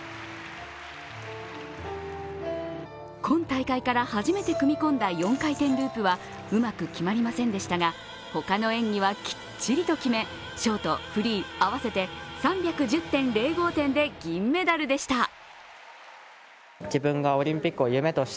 今大会から初めて組み込んだ４回転ループはうまく決まりませんでしたが、他の演技はきっちりと決めショート、フリー合わせて３１０．０５点で銀メダルでした。